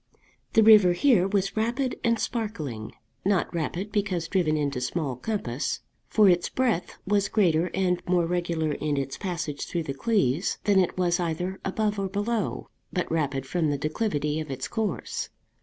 The river here was rapid and sparkling; not rapid because driven into small compass, for its breadth was greater and more regular in its passage through the Cleeves than it was either above or below, but rapid from the declivity of its course.